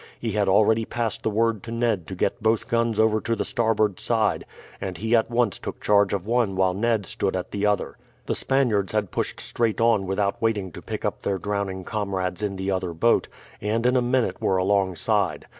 He had already passed the word to Ned to get both guns over to the starboard side, and he at once took charge of one while Ned stood at the other. The Spaniards had pushed straight on without waiting to pick up their drowning comrades in the other boat, and in a minute were alongside.